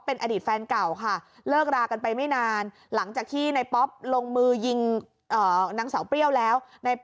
เป็นเหตุอุกอาจมากนะคุณนะ